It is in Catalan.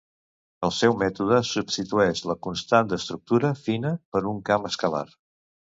El seu mètode substitueix la constant d'estructura fina per un camp escalar.